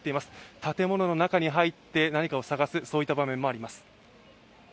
建物の中に入って何かを探す場面もあります。